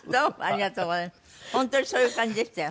本当にそういう感じでしたよ。